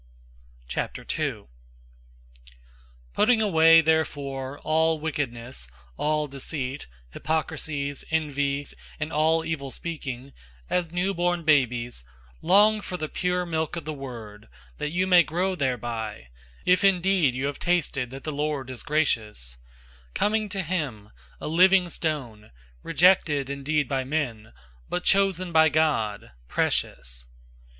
002:001 Putting away therefore all wickedness, all deceit, hypocrisies, envies, and all evil speaking, 002:002 as newborn babies, long for the pure milk of the Word, that you may grow thereby, 002:003 if indeed you have tasted that the Lord is gracious: 002:004 coming to him, a living stone, rejected indeed by men, but chosen by God, precious.